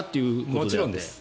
もちろんです。